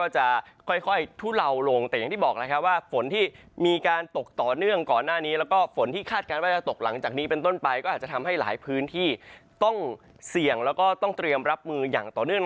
จะค่อยทุเลาลงแต่อย่างที่บอกแล้วครับว่าฝนที่มีการตกต่อเนื่องก่อนหน้านี้แล้วก็ฝนที่คาดการณ์ว่าจะตกหลังจากนี้เป็นต้นไปก็อาจจะทำให้หลายพื้นที่ต้องเสี่ยงแล้วก็ต้องเตรียมรับมืออย่างต่อเนื่อง